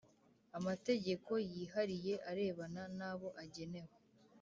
Amategeko yihariye arebana nabo agenewe.